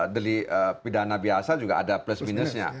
delik pidana biasa juga ada plus minusnya